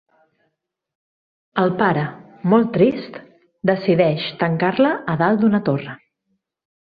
El pare, molt trist, decideix tancar-la a dalt d'una torre.